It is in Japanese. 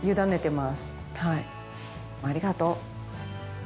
はいありがとう。